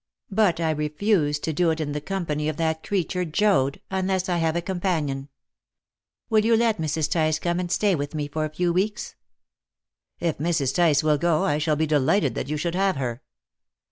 But I refuse to do so in the company of that creature Joad, unless I have a companion. Will you let Mrs. Tice come and stay with me for a few weeks?" "If Mrs. Tice will go, I shall be delighted that you should have her."